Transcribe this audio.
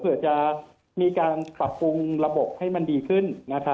เผื่อจะมีการปรับปรุงระบบให้มันดีขึ้น